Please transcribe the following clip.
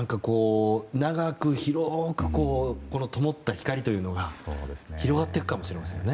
長く広くともった光というのが広がっていくかもしれませんね。